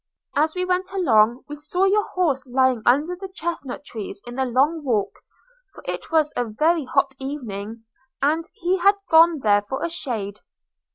As we went along, we saw your horse lying under the chesnut trees in the long walk; for it was a very hot evening, and he had gone there for shade.